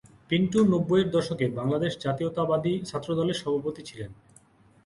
পিন্টু নব্বইয়ের দশকে বাংলাদেশ জাতীয়তাবাদী ছাত্রদলের সভাপতি ছিলেন।